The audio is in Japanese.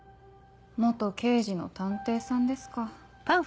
刑事の探偵さんですか。